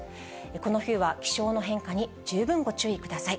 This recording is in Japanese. この冬は気象の変化に十分ご注意ください。